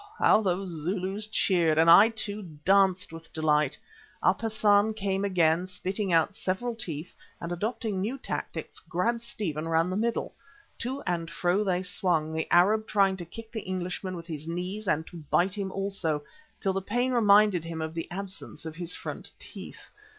how those Zulus cheered, and I, too, danced with delight. Up Hassan came again, spitting out several teeth and, adopting new tactics, grabbed Stephen round the middle. To and fro they swung, the Arab trying to kick the Englishman with his knees and to bite him also, till the pain reminded him of the absence of his front teeth.